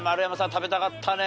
食べたかったね。